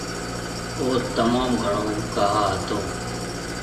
اوٿ تموم گھڻو گاھا ھتو۔